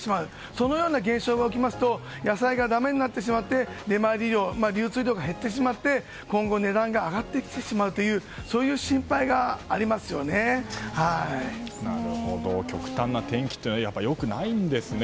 そのような現象が起きますと野菜がだめになってしまって流通量が減ってしまって今後、値段が上がってきてしまう極端な天気というのはやっぱり良くないんですね。